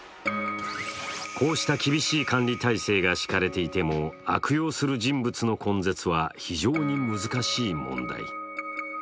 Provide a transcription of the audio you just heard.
こうした厳しい管理体制が敷かれていても、悪用する人物の根絶は非常に難しい問題。